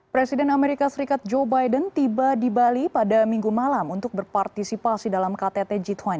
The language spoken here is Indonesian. presiden amerika serikat joe biden tiba di bali pada minggu malam untuk berpartisipasi dalam ktt g dua puluh